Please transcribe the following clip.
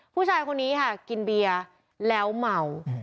ผู้ชายคนนี้ค่ะกินเบียร์แล้วเมา